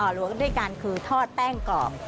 อ๋อหลัวด้วยกันคือทอดแป้งกรอบ